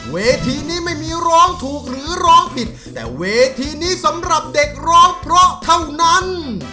เวทีนี้ไม่มีร้องถูกหรือร้องผิดแต่เวทีนี้สำหรับเด็กร้องเพราะเท่านั้น